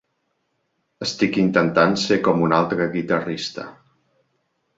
Estic intentant ser com un altre guitarrista.